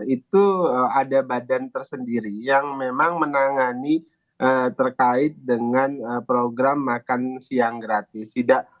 itu ada badan tersendiri yang memang menangani terkait dengan program makan siang gratis